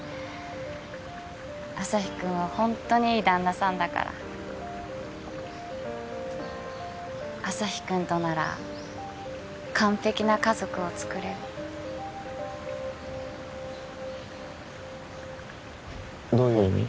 旭君はホントにいい旦那さんだから旭君となら完璧な家族をつくれるどういう意味？